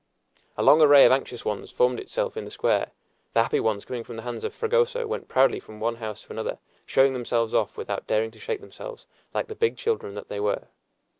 A long array of anxious ones formed itself in the square. The happy ones coming from the hands of Fragoso went proudly from one house to another, showed themselves off without daring to shake themselves, like the big children that they were.